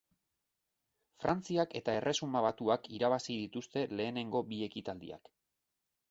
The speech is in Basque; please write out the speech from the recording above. Frantziak eta Erresuma Batuak irabazi dituzte lehenengo bi ekitaldiak.